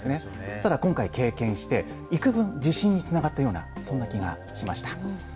ただ今回、経験して自信につながったような、そんな気がしました。